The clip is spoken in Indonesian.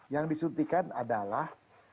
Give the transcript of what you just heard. yang disuntikan adalah